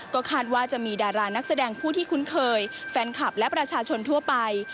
ก็คาดว่าจะมีดารานักแสดงผู้ที่คุ้นเคยแฟนคลับและประชาชนทั่วไป